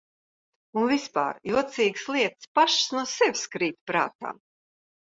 Un vispār jocīgas lietas pašas no sevis krīt prātā.